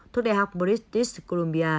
thuộc đại học boristit colombia